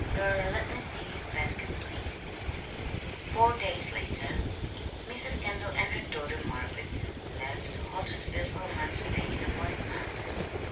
Er let me see his basket, please." Four days later Mrs. Kendall and her daughter Margaret left Houghtonsville for a month's stay in the White Mountains.